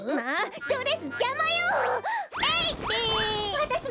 わたしも！